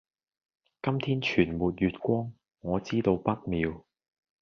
今天全沒月光，我知道不妙。